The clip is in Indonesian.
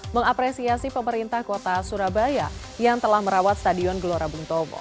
mengapresiasi pemerintah kota surabaya yang telah merawat stadion gelora bung tomo